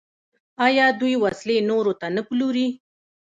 آیا دوی وسلې نورو ته نه پلوري؟